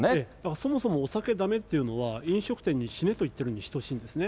そもそもお酒だめというのは、飲食店に死ねと言ってるのに等しいんですね。